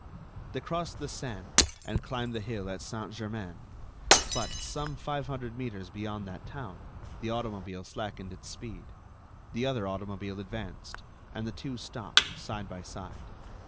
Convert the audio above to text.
They crossed the Seine and climbed the hill at Saint Germain; but, some five hundred metres beyond that town, the automobile slackened its speed. The other automobile advanced, and the two stopped, side by side.